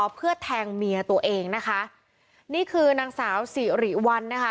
เพื่อแทงเมียตัวเองนะคะนี่คือนางสาวสิริวัลนะคะ